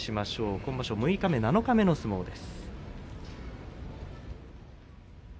今場所六日目、七日目の相撲です。